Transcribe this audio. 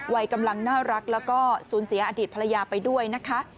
วัยกำลังน่ารักแล้วก็สูญเสียอดีตภรรยาไปด้วยนะคะ